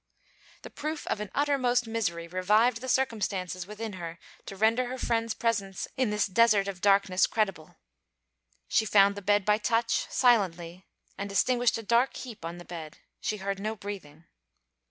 The proof of an uttermost misery revived the circumstances within her to render her friend's presence in this desert of darkness credible. She found the bed by touch, silently, and distinguished a dark heap on the bed; she heard no breathing.